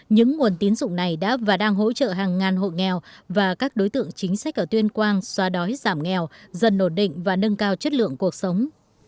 những nguồn tín dụng này đã và đang hỗ trợ hàng ngàn hộ nghèo và các đối tượng chính sách ở tuyên quang xoa đói giảm nghèo dần nổ định và nâng cao chất lượng cuộc sống